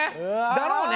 「だろうね」